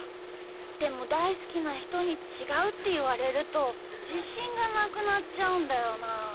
でもだいすきなひとに「ちがう」っていわれるとじしんがなくなっちゃうんだよな。